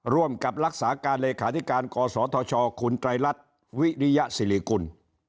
ร่วมกับรักษาการเลขาธิการกศธชคุณไตรรัฐวิริยสิริกุล